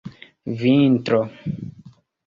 vintro